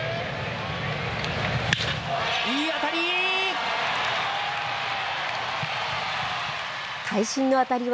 いい当たり。